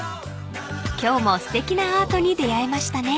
［今日もすてきなアートに出合えましたね］